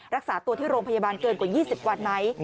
รักษาตัวที่โรงพยาบาลเกินกว่า๒๐วันไหม